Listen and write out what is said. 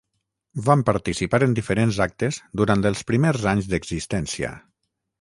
Van participar en diferents actes durant els primers anys d'existència.